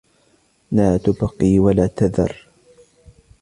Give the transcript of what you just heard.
لَا تُبْقِي وَلَا تَذَرُ